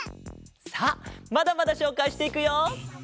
さあまだまだしょうかいしていくよ！